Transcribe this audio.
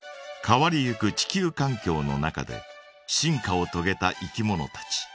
変わりゆく地球かん境の中で進化をとげたいきものたち。